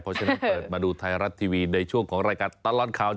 เพราะฉะนั้นเปิดมาดูไทยรัฐทีวีในช่วงของรายการตลอดข่าว